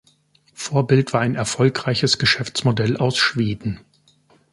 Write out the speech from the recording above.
Vorbild war ein erfolgreiches Geschäftsmodell aus Schweden.